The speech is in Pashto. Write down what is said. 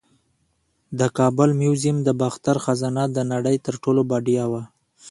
د کابل میوزیم د باختر خزانه د نړۍ تر ټولو بډایه وه